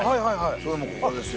それもここですよ。